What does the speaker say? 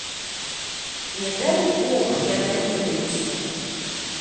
Не дай бог я даведаюся!